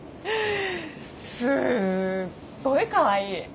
すっごいかわいい。